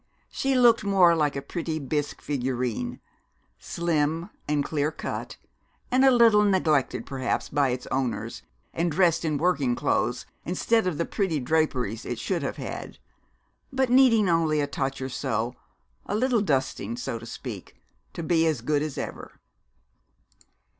She looked more like a pretty bisque figurine; slim and clear cut, and a little neglected, perhaps, by its owners, and dressed in working clothes instead of the pretty draperies it should have had; but needing only a touch or so, a little dusting, so to speak, to be as good as ever.